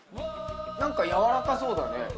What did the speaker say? なんかやわらかそうだね。